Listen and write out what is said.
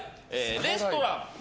レストラン。